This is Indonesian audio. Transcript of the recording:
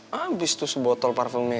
habis tuh sebotol parfumnya